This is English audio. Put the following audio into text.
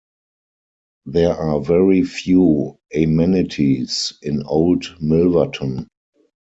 There are very few amenities in Old Milverton.